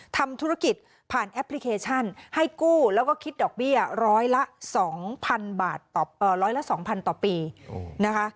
ทำธุรกิจผ่านแอปพลิเคชันให้กู้แล้วก็คิดดอกเบี้ยร้อยละ๒๐๐๐บาทต่อร้อยละ๒๐๐ต่อปีนะคะ